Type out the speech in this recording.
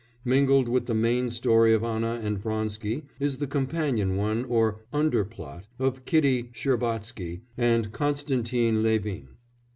Mingled with the main story of Anna and Vronsky is the companion one or "under plot" of Kitty Shcherbatsky and Konstantin Levin.